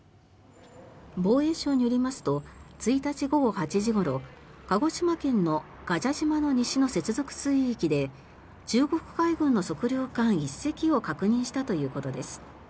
防衛省によりますと１日午後８時ごろ鹿児島県の臥蛇島の西の接続水域で中国海軍の測量艦１隻を確認したということです。